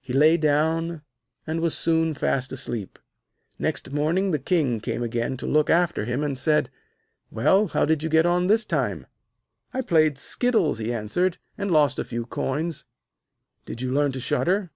He lay down, and was soon fast asleep. Next morning the King came again to look after him, and said: 'Well, how did you get on this time?' 'I played skittles,' he answered, 'and lost a few coins.' 'Didn't you learn to shudder?'